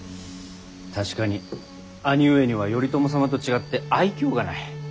確かに兄上には頼朝様と違って愛嬌がない。